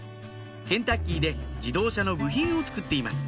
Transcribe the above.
ケンタッキーで自動車の部品を作っています